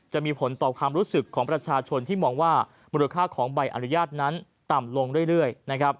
จะมีผลต่อความรู้สึกของประชาชนที่มองว่ามูลค่าของใบอนุญาตนั้นต่ำลงเรื่อย